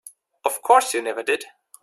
Of course you never did.